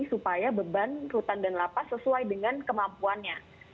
supaya beban rutan dan lapas sesuai dengan kemampuannya